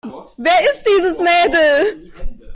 Wer ist dieses Mädel?